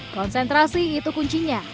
konsentrasi itu kuncinya